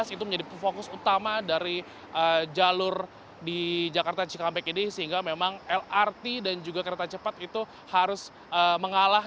itu menjadi fokus utama dari jalur di jakarta cikampek ini sehingga memang lrt dan juga kereta cepat itu harus mengalah